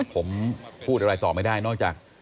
ผมพูดอะไรต่อไม่ได้นอกจาก